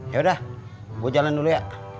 yaudah gue jalan dulu ya